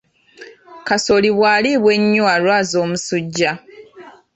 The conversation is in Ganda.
Kasooli bwaliibwa ennyo alwaza omusujja.